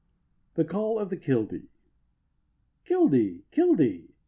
THE CALL OF THE KILLDEE. "Killdee, killdee."